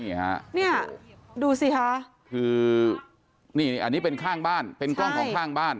นี่ฮะเนี่ยดูสิคะคือนี่อันนี้เป็นข้างบ้านเป็นกล้องของข้างบ้าน